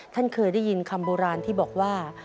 ท่านเคยได้ยินคำโบราณที่บอกว่า